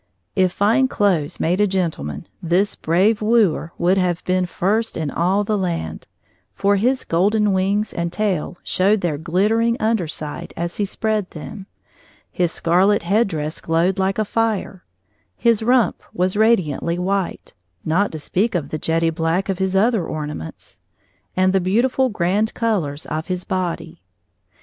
If fine clothes made a gentleman, this brave wooer would have been first in all the land: for his golden wings and tail showed their glittering under side as he spread them; his scarlet headdress glowed like fire; his rump was radiantly white, not to speak of the jetty black of his other ornaments and the beautiful ground colors of his body.